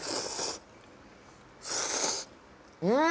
うん！